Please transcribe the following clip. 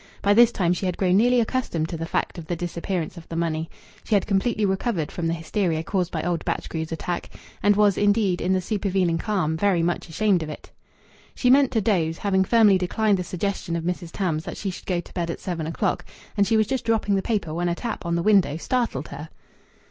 By this time she had grown nearly accustomed to the fact of the disappearance of the money. She had completely recovered from the hysteria caused by old Batchgrew's attack, and was, indeed, in the supervening calm, very much ashamed of it. She meant to doze, having firmly declined the suggestion of Mrs. Tams that she should go to bed at seven o'clock, and she was just dropping the paper when a tap on the window startled her.